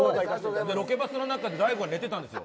ロケバスの中で大悟が寝てたんですよ。